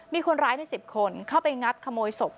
มีคนร้ายใน๑๐คนเข้าไปงัดขโมยศพ